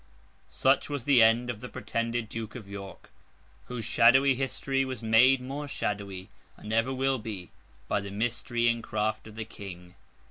Such was the end of the pretended Duke of York, whose shadowy history was made more shadowy—and ever will be—by the mystery and craft of the King.